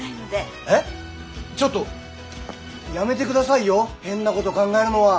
えっちょっとやめてくださいよ変なこと考えるのは。